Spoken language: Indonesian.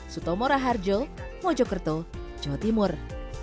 suto moraharjo mojokerto jawa timur